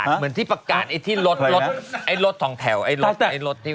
เหมือนไอ้ที่ประกาศไอ้ที่รถทองแถวไอ้รถที่เวียน